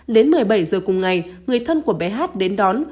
đến một mươi bảy h cùng ngày người thân của bé hát đến đón